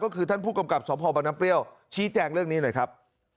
ก็คือท่านผู้กำกับสพบังน้ำเปรี้ยวชี้แจงเรื่องนี้หน่อยครับ